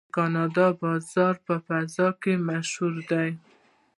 د کاناډا بازو په فضا کې مشهور دی.